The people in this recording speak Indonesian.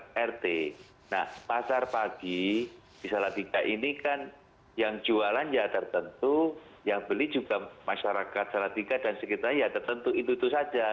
pertama masyarakat yang beli juga masyarakat salatiga dan sekitarnya ya tertentu itu saja